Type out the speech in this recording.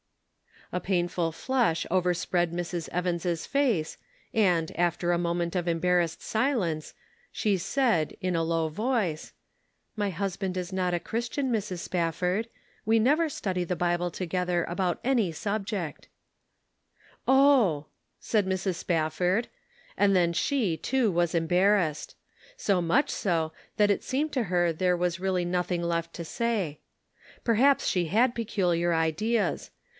A painful flush overspread Mrs. Evans' face, and, after a moment of embarrassed silence, she said, in a low voice: " My husband is not a Christian, Mrs. Spaf ford. We never study the Bible together about any subject." " Oh !" said Mrs. Spafford, and then she, too, was embarrassed; so much so, that it seemed to her there was really nothing left to say. Perhaps she had peculiar ideas.